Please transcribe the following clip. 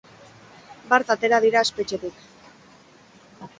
Bart atera dira espetxetik.